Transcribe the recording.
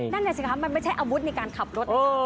นั่นแหละสิคะมันไม่ใช่อาวุธในการขับรถ